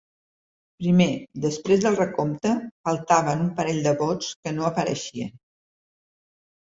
Primer: després del recompte, faltaven un parell de vots que no apareixien.